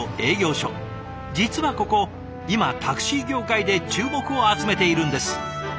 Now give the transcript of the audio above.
実はここ今タクシー業界で注目を集めているんです。